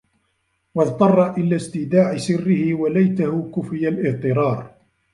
وَاضْطَرَّ إلَى اسْتِيدَاعِ سِرِّهِ وَلَيْتَهُ كُفِيَ الِاضْطِرَارُ